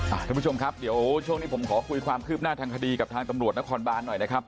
ท่านผู้ชมครับเดี๋ยวช่วงนี้ผมขอคุยความคืบหน้าทางคดีกับทางตำรวจนครบานหน่อยนะครับ